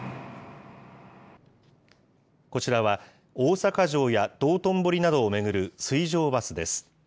こちらは、大阪城や道頓堀などを巡る水上バスです。